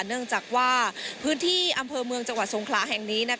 เนื่องจากว่าพื้นที่อำเภอเมืองจังหวัดสงขลาแห่งนี้